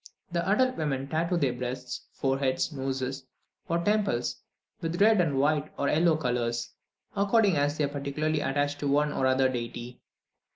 The adult women tattoo their breasts, foreheads, noses, or temples with red, white, or yellow colours, according as they are particularly attached to one or the other deity.